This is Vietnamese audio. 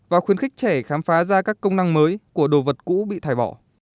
và khuyến khích trẻ khám phá ra các công năng mới của đồ vật cũ bị thải bỏ